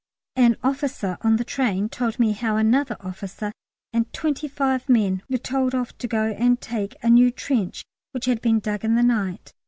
An officer on the train told me how another officer and twenty five men were told off to go and take a new trench which had been dug in the night.